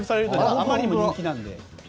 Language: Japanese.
あまりにも人気なので。